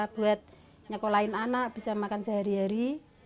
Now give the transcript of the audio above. buat nyekolahin anak bisa makan sehari hari